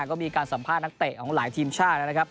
ก็มีการสัมภาษณ์นักเตะของหลายทีมชาตินะครับ